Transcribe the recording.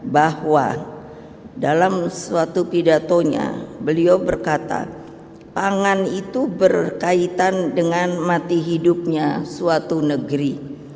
bahwa dalam suatu pidatonya beliau berkata pangan itu berkaitan dengan mati hidupnya suatu negeri